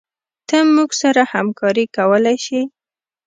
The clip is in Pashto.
ته موږ سره همکارې کولي شي